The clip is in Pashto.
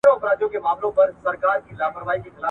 موږ په هغه عصر کې حماسي شعرونه لولو.